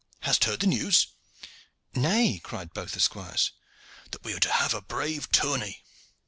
Hast heard the news?" "Nay," cried both the squires. "That we are to have a brave tourney."